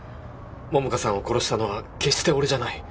桃花さんを殺したのは決して俺じゃない。